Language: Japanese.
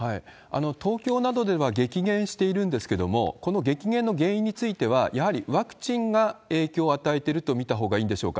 東京などでは激減しているんですけれども、この激減の原因については、やはりワクチンが影響を与えてると見たほうがいいんでしょうか。